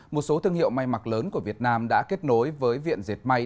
một số thương hiệu may mặc lớn của việt nam đã kết nối với viện dệt may